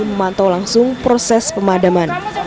memantau langsung proses pemadaman